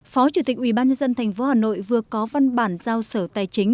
phó chủ tịch ubnd tp hcm vừa có văn bản giao sở tài chính